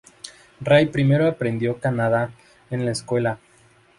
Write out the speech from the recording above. Rai primero aprendió Kannada en la escuela.